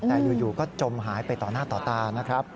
แต่อยู่ก็จมหายไปต่อหน้าต่อตานะครับ